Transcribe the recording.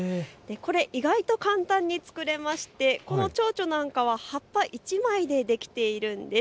これ意外と簡単に作れましてこのチョウチョなんかは葉っぱ１枚でできているんです。